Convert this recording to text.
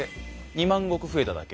２万石増えただけ。